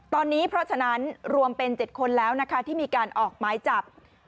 ตอนนี้เพราะฉะนั้นรวมเป็น๗คนแล้วนะคะที่มีการออกไม้จับ